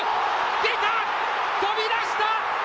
出た、飛び出した。